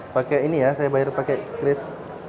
pakai ini ya saya bayar pakai cris